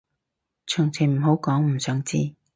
詳情唔好講，唔想知